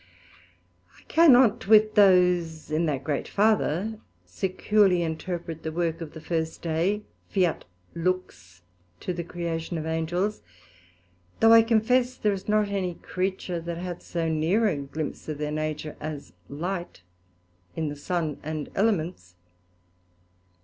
I cannot with those in that great Father securely interpret the work of the first day, Fiat lux, to the creation of Angels, though I confess there is not any creature that hath so neer a glympse of their nature, as light in the Sun and Elements.